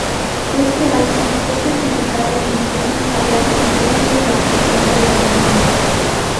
Este álbum fue certificado millón en Japón y triple platino en todo el mundo.